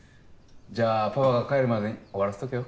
じゃあパパが帰るまでに終わらせとけよ。